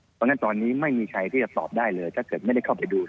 เพราะฉะนั้นตอนนี้ไม่มีใครที่จะตอบได้เลยถ้าเกิดไม่ได้เข้าไปดู